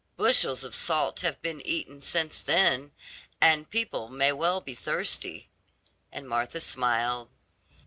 Bushels of salt have been eaten since then, and people may well be thirsty," and Martha smiled.